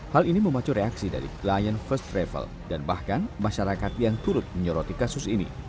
hal ini memacu reaksi dari klien first travel dan bahkan masyarakat yang turut menyoroti kasus ini